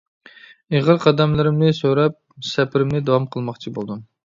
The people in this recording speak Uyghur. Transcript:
ئېغىر قەدەملىرىمنى سۆرەپ سەپىرىمنى داۋام قىلماقچى بولدۇم.